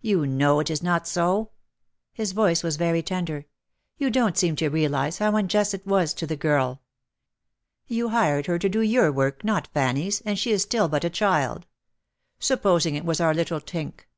"You know it is not so." His voice was very tender. "You don't seem to realise how unjust it was to the girl. You hired her to do your work, not Fannie's, and she is still but a child. Supposing it was our little Tynke